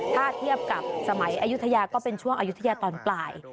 ถ้าเทียบกับสมัยอายุทยาก็เป็นช่วงอายุทยาตอนปลาย